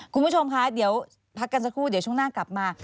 คุณผู้ชมคะเดี๋ยวพักกันสักครู่เดี๋ยวช่วงหน้ากลับมา